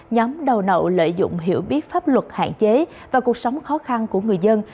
nhóm đầu nậu lợi dụng hiểu biết pháp luật hạn chế và cuộc sống khó khăn của người dân